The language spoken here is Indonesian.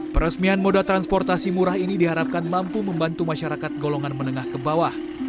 peresmian moda transportasi murah ini diharapkan mampu membantu masyarakat golongan menengah ke bawah